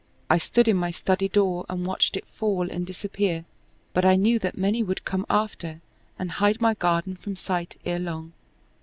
I stood in my study door and watched it fall and disappear; but I knew that many would come after and hide my garden from sight ere long.